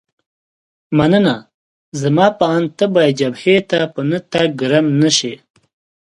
مننه، زما په اند ته باید جبهې ته په نه تګ ګرم نه شې.